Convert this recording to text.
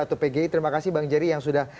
atau pgi terima kasih bang jerry yang sudah